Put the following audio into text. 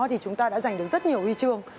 thì chúng ta đã giành được rất nhiều huy chương